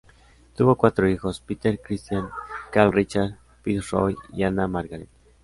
Tuvo cuatro hijos: Peter Christian, Karl Richard, Fitz Roy y Anna Margarethe.